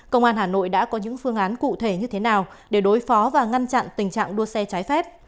công an hà nội đã có những phương án cụ thể như thế nào để đối phó và ngăn chặn tình trạng đua xe trái phép